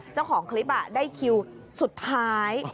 เจ้าของคลิปได้คิวสุดท้าย